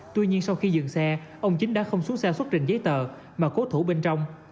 tuy nhiên sau khi dừng xe ông chính đã không xuống xe xuất trình giấy tờ mà cố thủ bên trong